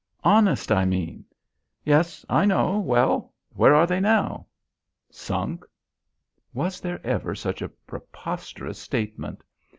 "Honest, I mean." "Yes, I know; well, where are they now?" "Sunk." Was there ever such a preposterous statement?